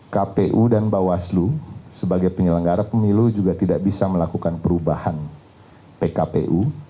kpu dan bawaslu sebagai penyelenggara pemilu juga tidak bisa melakukan perubahan pkpu